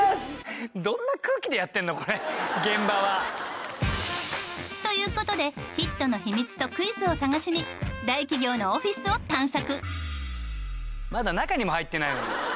これ現場は。という事でヒットの秘密とクイズを探しに大企業のオフィスを探索。